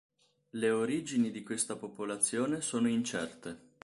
Le origini di questa popolazione sono incerte.